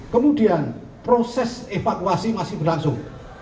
kemudian proses evakuasi masih berlangsung